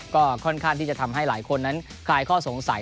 ก็ค่อนข้างที่จะทำให้หลายคนนั้นคลายข้อสงสัย